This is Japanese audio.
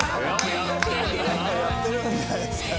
やっぱやってるんじゃないですかね。